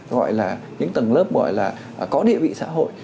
gọi là những tầng lớp gọi là có địa vị xã hội